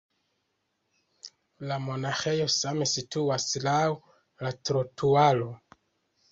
La monaĥejo same situas laŭ la trotuaro.